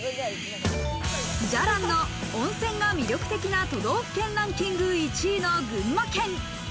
じゃらんの温泉が魅力的な都道府県ランキング１位の群馬県。